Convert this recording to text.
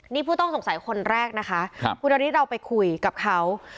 นี่ผู้ต้องสงสัยคนแรกนะคะคุณนฤทธิเราไปคุยกับเขา